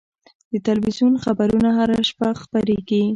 د تلویزیون خبرونه هره شپه خپرېږي.